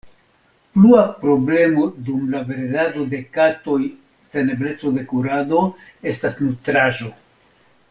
Plua problemo dum la bredado de katoj sen ebleco de kurado estas nutraĵo.